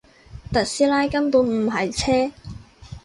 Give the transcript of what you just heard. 特斯拉根本唔係車